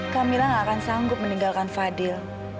camilla gak akan sanggup meninggalkan fadil